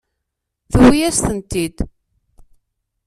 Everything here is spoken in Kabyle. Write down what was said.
Tewwi-yas-tent-id.